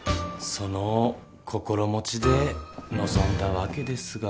その心持ちで臨んだわけですが。